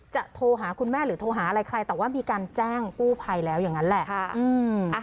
โทรหาคุณแม่หรือโทรหาอะไรใครแต่ว่ามีการแจ้งกู้ภัยแล้วอย่างนั้นแหละ